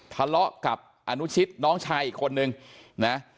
ทะเลาะกับอนุชิตน้องชายอีกคนนึงนะ